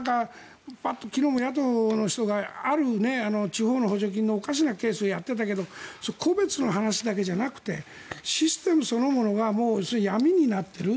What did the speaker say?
昨日も野党の人がある地方の補助金のおかしなケースをやってたけど個別の話だけじゃなくてシステムそのものが闇になっている。